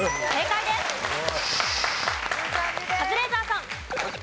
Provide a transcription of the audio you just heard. カズレーザーさん。